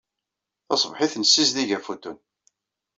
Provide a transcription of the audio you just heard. Taṣebḥit, nessizdig afutun.